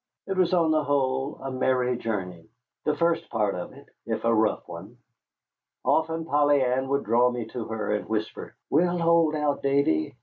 It was on the whole a merry journey, the first part of it, if a rough one. Often Polly Ann would draw me to her and whisper: "We'll hold out, Davy.